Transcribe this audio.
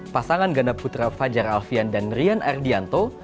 pasangan ganda putra fajar alfian dan rian ardianto